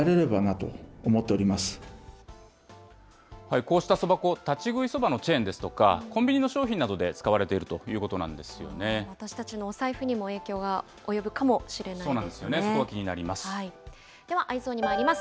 こうしたそば粉、立ち食いそばのチェーンですとか、コンビニの商品などで使われてい私たちのお財布にも影響が及そうなんですよね、そこが気ではＥｙｅｓｏｎにまいります。